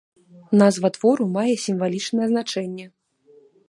Назва твору мае сімвалічнае значэнне.